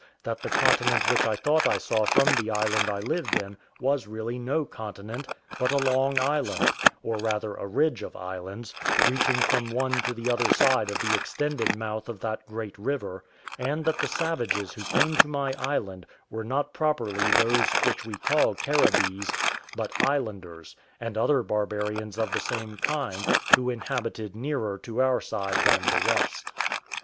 that the continent which I thought I saw from the island I lived in was really no continent, but a long island, or rather a ridge of islands, reaching from one to the other side of the extended mouth of that great river; and that the savages who came to my island were not properly those which we call Caribbees, but islanders, and other barbarians of the same kind, who inhabited nearer to our side than the rest.